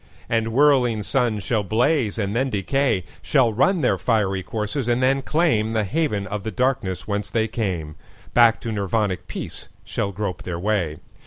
And whirling suns shall blaze and then decay, Shall run their fiery courses and then claimThe haven of the darkness whence they came; Back to Nirvanic peace shall grope their way.